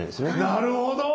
なるほど！